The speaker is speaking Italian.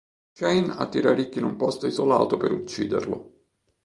Shane attira Rick in un posto isolato per ucciderlo.